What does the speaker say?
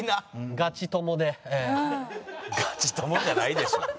ガチ友じゃないでしょ。